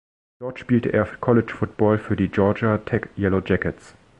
Dort spielte er College Football für die "Georgia Tech Yellow Jackets".